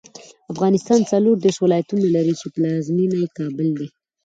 افغانستان څلوردېرش ولایتونه لري، چې پلازمېنه یې کابل دی.